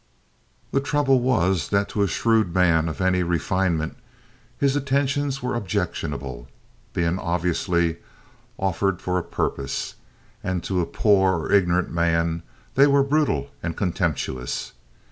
The trouble was that to a shrewd man of any refinement his attentions were objectionable, being obviously offered for a purpose, and to a poor or ignorant man they were brutal and contemptuous.